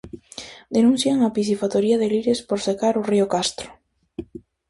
Denuncian á piscifactoría de Lires por secar o río Castro.